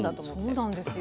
そうなんですよ。